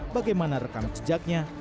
bagaimana rekam sejaknya